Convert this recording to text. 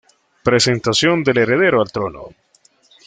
Presentación del Heredero al Trono.